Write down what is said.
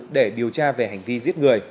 để điều tra về hành vi giết